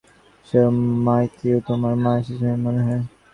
হেই, Matthew, তোমার মা এসেছে মনে হয়।